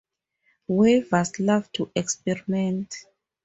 Weavers love to experiment.